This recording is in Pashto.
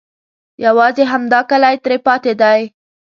یوازې همدا کلی ترې پاتې دی.